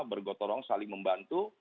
bergotorong saling membantu